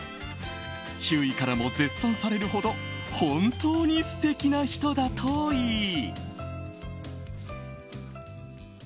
周囲からも絶賛されるほど本当に素敵な人だといい。